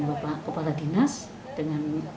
bapak kepala dinas dengan